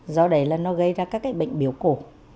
do đấy là nó gây ra các cái bệnh biểu cổ